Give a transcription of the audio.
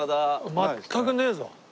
全くねえぞ。